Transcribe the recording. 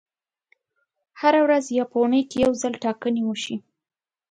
هره ورځ یا په اونۍ کې یو ځل ټاکنې وشي.